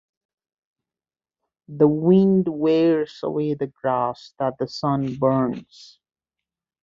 The wind wears away the grass that the sun burns.